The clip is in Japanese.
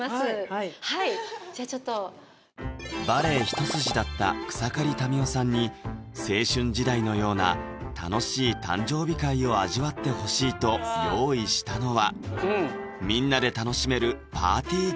はいはいじゃちょっとバレエ一筋だった草刈民代さんに青春時代のような楽しい誕生日会を味わってほしいと用意したのはこれは？